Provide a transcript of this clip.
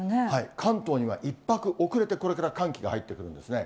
関東には１拍遅れてこれから寒気が入ってくるんですね。